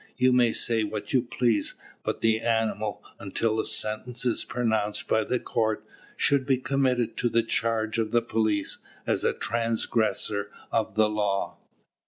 You may say what you please; but the animal, until the sentence is pronounced by the court, should be committed to the charge of the police as a transgressor of the law."